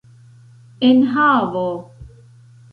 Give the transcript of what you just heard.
enhavo